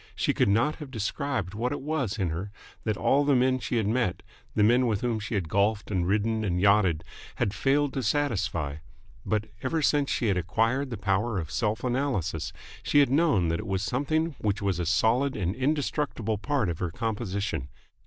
She could not have described what it was in her that all the men she had met, the men with whom she had golfed and ridden and yachted, had failed to satisfy: but, ever since she had acquired the power of self analysis, she had known that it was something which was a solid and indestructible part of her composition.